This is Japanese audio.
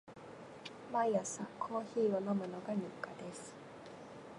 毎朝コーヒーを飲むのが日課です。